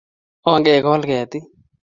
Ongekol ketiik